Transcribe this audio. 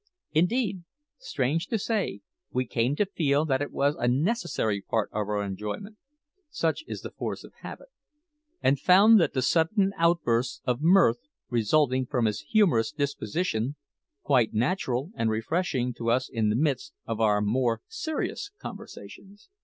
Indeed, strange to say, we came to feel that it was a necessary part of our enjoyment (such is the force of habit), and found the sudden outbursts of mirth, resulting from his humorous disposition, quite natural and refreshing to us in the midst of our more serious conversations.